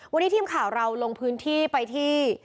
วันนี้ทีมข่าวเราลงพื้นที่ไปที่